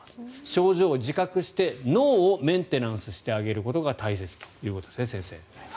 症状を自覚して、脳をメンテナンスしてあげることが大切ということですね、先生。